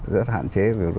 rất hạn chế